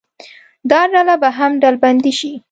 دا ډله به هم ډلبندي شي.